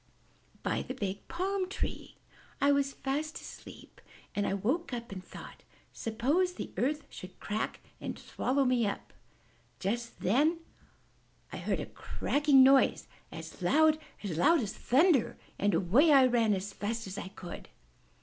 "By the big palm tree. I was fast asleep, and I woke up and thought, 'Suppose the earth should crack and swallow me up!' Just then I heard a 71 M Y BOOK HOUSE cracking noise, as loud — as loud as thunder — and away I ran as fast as I could."